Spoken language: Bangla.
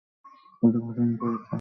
পূজার পছন্দ হয়েছে।